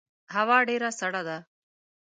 هوا ډیره سړه ده